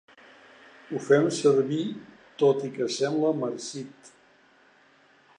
Ho fem servir, tot i que sembla marcit.